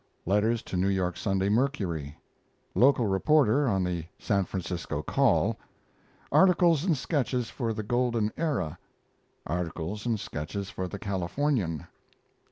Letters to New York Sunday Mercury. Local reporter on the San Francisco Call. Articles and sketches for the Golden Era. Articles and sketches for the Californian.